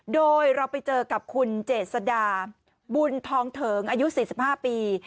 โดยเราไปเจอกับคุณเจษดาบุญทองเถิงอายุ๔๕ปี